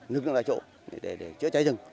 lực lượng tại chỗ để cháy rừng